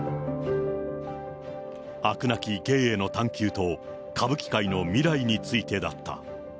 飽くなき芸への探求と歌舞伎界の未来についてだった。